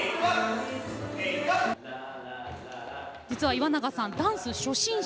岩永さんはダンス初心者。